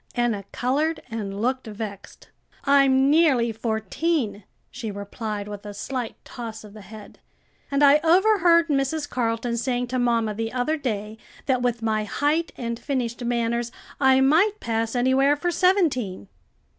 Enna colored and looked vexed. "I'm nearly fourteen," she replied with a slight toss of the head; "and I overheard Mrs. Carleton saying to mamma the other day, that with my height and finished manners I might pass anywhere for seventeen."